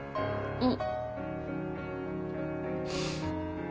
うん。